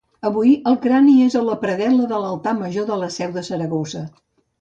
Avui, el crani és a la predel·la de l'altar major de la Seu de Saragossa.